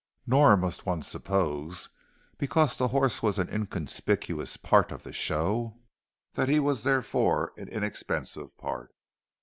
Nor must one suppose, because the horse was an inconspicuous part of the show, that he was therefore an inexpensive part.